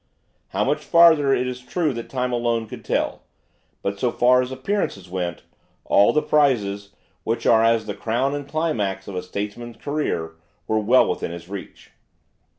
How much farther it is true that time alone could tell; but, so far as appearances went, all the prizes, which are as the crown and climax of a statesman's career, were well within his reach.